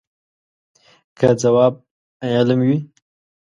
که ځواب علم وي.